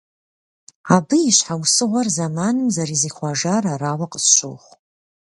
Абы и щхьэусыгъуэр зэманым зэрызихъуэжар арауэ къысщохъу.